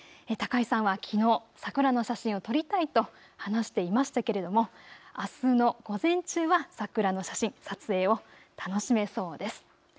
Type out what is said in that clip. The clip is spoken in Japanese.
高井さんはきのう桜の撮影を撮りたいと話していましたけれどもあすの午前中は桜の写真、撮影を楽しめそうです。